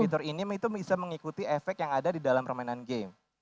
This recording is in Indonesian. fitur ini itu bisa mengikuti efek yang ada di dalam permainan game